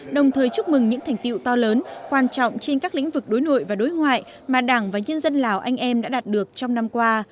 đồng thời chúc mừng những thành tiệu to lớn quan trọng trên các lĩnh vực đối nội và đối ngoại mà đảng và nhân dân lào anh em đã đạt được trong năm qua